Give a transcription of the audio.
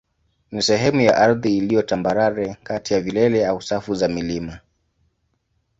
ni sehemu ya ardhi iliyo tambarare kati ya vilele au safu za milima.